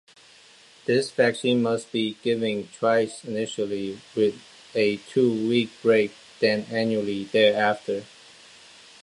This vaccine must be given twice initially with a two-week break, then annually thereafter.